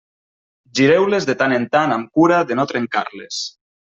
Gireu-les de tant en tant amb cura de no trencar-les.